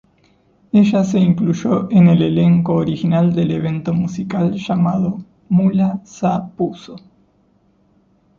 Ella se incluyó en el elenco original del evento musical llamado "Mula sa Puso".